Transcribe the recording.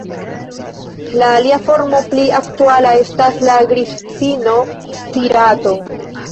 La alia formo pli aktuala estas la "grissino stirato".